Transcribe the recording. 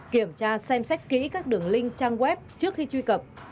kiểm tra xem xét kỹ các đường link trang web trước khi truy cập